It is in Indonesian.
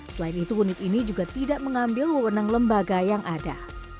selain itu unit ini juga tidak mengambil wewenang lembaga yang ada